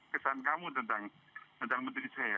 kesan kamu tentang menteri saya